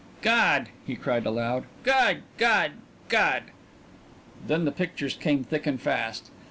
"God!" he cried aloud. "God! God! God!" Then the pictures came thick and fast.